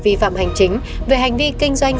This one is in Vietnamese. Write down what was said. vi phạm hành chính về hành vi kinh doanh